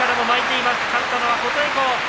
勝ったのは琴恵光。